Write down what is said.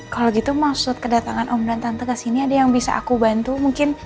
kalau gitu maksud kedatangan om dan tante ke sini ada yang bisa aku bantu mungkin